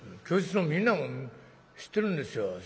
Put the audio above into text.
教室のみんなも知ってるんですよ。